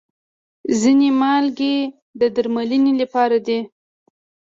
ځینې مالګې د درملنې لپاره دي.